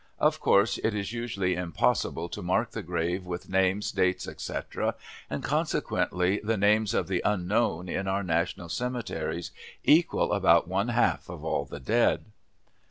Of course it is usually impossible to mark the grave with names, dates, etc., and consequently the names of the "unknown" in our national cemeteries equal about one half of all the dead.